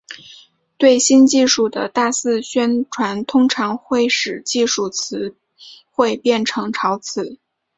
对新技术的大肆宣传通常会使技术词汇变成潮词。